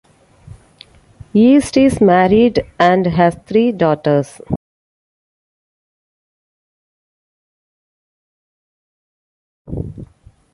East is married and has three daughters.